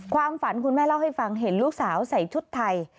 ความฝันคุณแม่เล่าให้ฟังเห็นลูกสาวใส่ชุดไทย